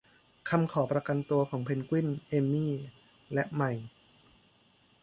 คำขอประกันตัวของเพนกวิน แอมมี่ และไมค์